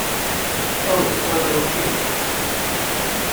Oh, the poor little kitty!